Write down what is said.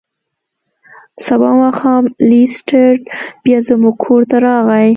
سبا ماښام لیسټرډ بیا زموږ کور ته راغی.